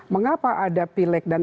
mengapa ada pilek dan